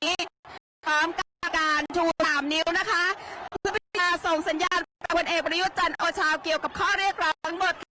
ในการทำการชูสามนิ้วนะคะส่งสัญญาณจันโอชาวเกี่ยวกับข้อเลขร้องหมดค่ะ